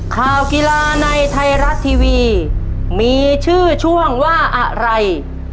ข่าวกีฬาในไทยรัฐทีวีมีชื่อช่วงว่าอะไร